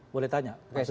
boleh tanya pak sudarmo